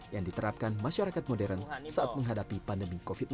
yang diterapkan masyarakat modern saat menghadapi pandemi covid sembilan belas